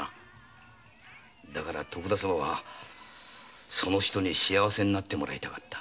だから徳田様はその女に幸せになってもらいたかった。